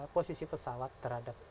posisi pesawat terhadap